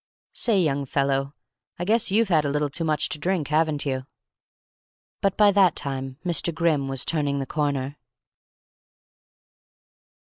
Say, young fellow, I guess you've had a little too much to drink, haven't you?" But by that time Mr. Grimm was turning the corner.